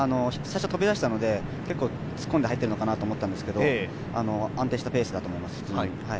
最初飛び出したので結構突っ込んで入っているのかなと思ったんですけど安定したペースだと思います。